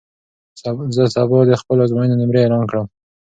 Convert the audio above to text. زه به سبا د خپلو ازموینو نمرې اعلان کړم.